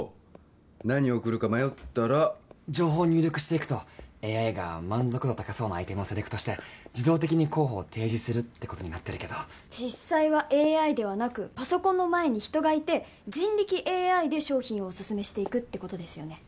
何贈るか迷ったら情報を入力していくとＡＩが満足度高そうなアイテムをセレクトして自動的に候補を提示するってことになってるけど実際はＡＩではなくパソコンの前に人がいて人力ＡＩで商品をオススメしていくってことですよね？